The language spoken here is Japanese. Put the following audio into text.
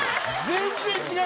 全然違う！